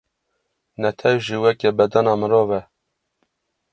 Netew jî weke bedena mirov e.